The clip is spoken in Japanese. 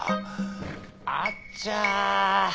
あっちゃ！